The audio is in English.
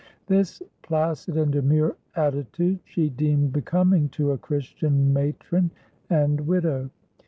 This placid and demure attitude she deemed becoming to a Christian matron and widow.